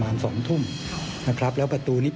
มีความรู้สึกว่ามีความรู้สึกว่า